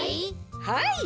はい。